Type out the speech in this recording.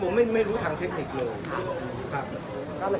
ซึ่งผมไม่รู้ทางเทคนิคเลย